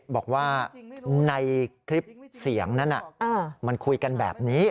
บอกว่าในคลิปเสียงนั้นมันคุยกันแบบนี้